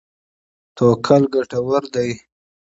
توکل ګټور دی.